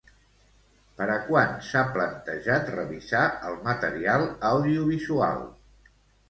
Per a quan s'ha plantejat revisar el material audiovisual?